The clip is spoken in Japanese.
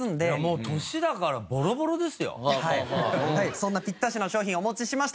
そんなピッタシの商品をお持ちしました。